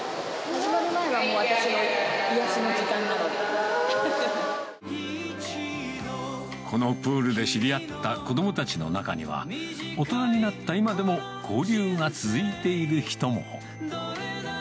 始まる前は、このプールで知り合った子どもたちの中には、大人になった今でも、交流が続いている人も。